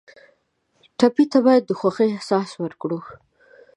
ټپي ته باید د خوښۍ احساس ورکړو.